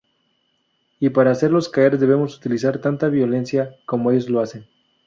Y para hacerlos caer debemos utilizar tanta violencia como ellos lo hacen.